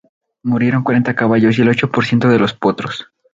Murieron cuarenta caballos y el ocho por ciento de los potros.